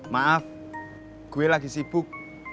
maaf gue lagi sibuk